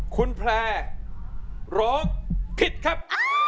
คุณแพร่ร้องผิดครับ